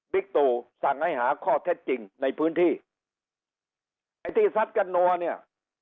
ตู่สั่งให้หาข้อเท็จจริงในพื้นที่ไอ้ที่ซัดกันนัวเนี่ย